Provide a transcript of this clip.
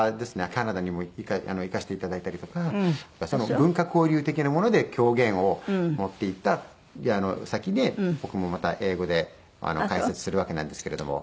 カナダにも行かせていただいたりとか文化交流的なもので狂言を持っていった先で僕もまた英語で解説するわけなんですけれども。